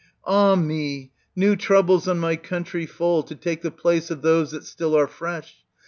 ah me ! new troubles on my country fall, to take the place of those that still are fresh